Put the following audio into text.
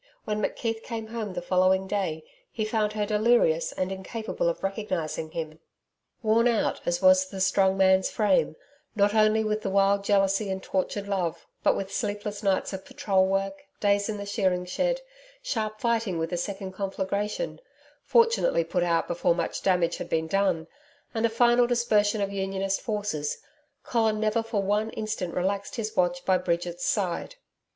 When McKeith came home the following day, he found her delirious, and incapable of recognizing him. Worn out as was the strong man's frame not only with wild jealousy and tortured love, but with sleepless nights of patrol work, days in the shearing shed, sharp fighting with a second conflagration fortunately put out before much damage had been done and a final dispersion of Unionist forces, Colin never for one instant relaxed his watch by Bridget's bedside.